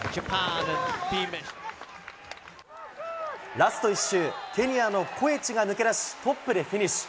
ラスト１周、ケニアのコエチが抜け出し、トップでフィニッシュ。